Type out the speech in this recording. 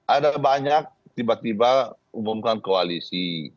ada banyak tiba tiba umumkan koalisi